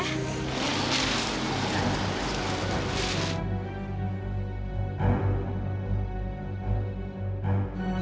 terima kasih pak